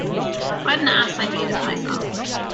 What an ass I made of myself!